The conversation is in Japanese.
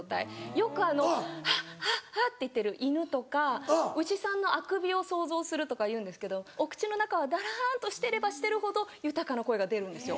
よくあのハッハッハっていってる犬とかおじさんのあくびを想像するとかいうんですけどお口の中はだらんとしてればしてるほど豊かな声が出るんですよ。